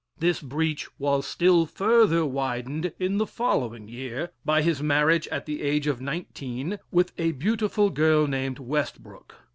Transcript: This breach was still further widened in the following year by his marriage, at the age of nineteen, with a beautiful girl named Westbrook.